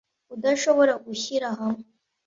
udashobora gushyira hamwe.